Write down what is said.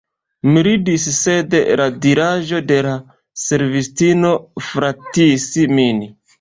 Mi ridis, sed la diraĵo de la servistino flatis min.